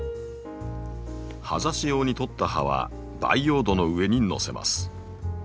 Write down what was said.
葉ざし用に取った葉は培養土の上にのせます。